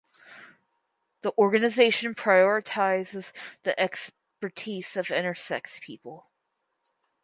The organization prioritises the expertise of intersex people.